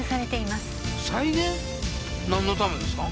なんのためですか？